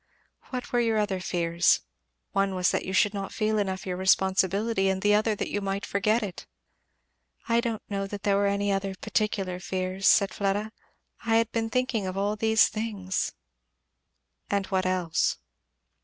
"What were your other fears? one was that you should not feel enough your responsibility, and the other that you might forget it." "I don't know that there were any other particular fears," said Fleda; "I had been thinking of all these things " "And what else?"